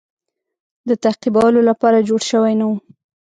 د تعقیبولو لپاره جوړ شوی نه وو.